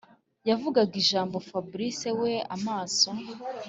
yavugaga ijambo fabric we amaso